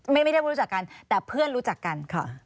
ไม่ได้รู้จักกันแต่เพื่อนรู้จักกันค่ะ